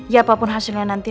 ya apapun hasilnya nanti